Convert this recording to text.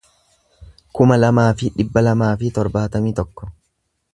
kuma lamaa fi dhibba lamaa fi torbaatamii torba